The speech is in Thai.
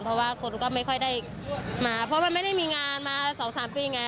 เพราะว่าคนก็ไม่ค่อยได้มาเพราะมันไม่ได้มีงานมา๒๓ปีไง